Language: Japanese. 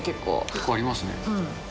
結構ありますね。